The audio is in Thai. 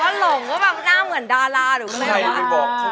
หนูก็ต้องไปด้านหน้าเหมือนดาราหรือเป็นอาหาร